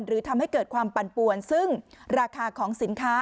ทำให้เกิดความปั่นปวนซึ่งราคาของสินค้า